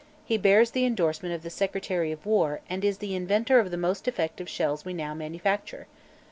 He bears the endorsement of the Secretary of War and is the inventor of the most effective shells we now manufacture.